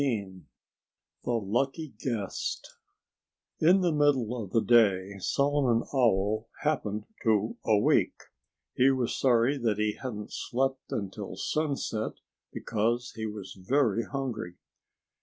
XIII The Lucky Guest In the middle of the day Solomon Owl happened to awake. He was sorry that he hadn't slept until sunset, because he was very hungry.